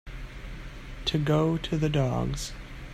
To go to the dogs.